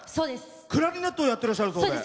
クラリネットをやってらっしゃるそうで。